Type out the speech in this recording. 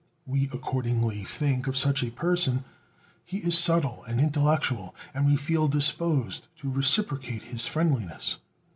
We accordingly think of such a person: He is subtle and intellectual; and we feel disposed to reciprocate his friendliness.